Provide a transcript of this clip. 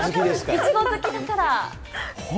いちご好きだから。